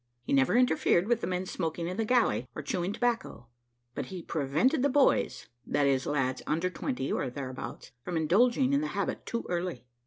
He never interfered with the men smoking in the galley, or chewing tobacco; but he prevented the boys, that is, lads under twenty or thereabouts, from indulging in the habit too early.